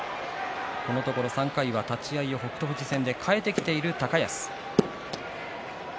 このところ３回は立ち合いを北勝富士戦で替えてきている高安。